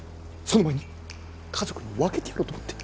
その前に家族に分けてやろうと思って。